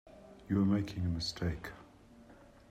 You are making a mistake.